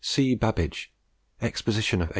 BABBAGE, Exposition of 1851.